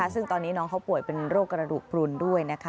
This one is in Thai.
ซึ่งตอนนี้น้องเขาป่วยเป็นโรคกระดูกพลุนด้วยนะคะ